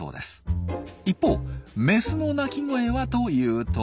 一方メスの鳴き声はというと。